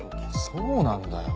そうなんだよ。